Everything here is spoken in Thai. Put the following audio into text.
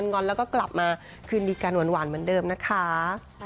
งอนแล้วก็กลับมาคืนดีกันหวานเหมือนเดิมนะคะ